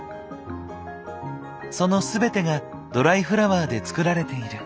その全てがドライフラワーで作られている。